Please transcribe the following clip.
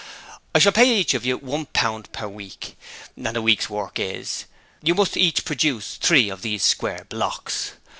I shall pay each of you one pound per week, and a week's work is you must each produce three of these square blocks.